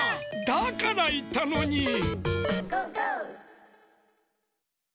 だからいったのに！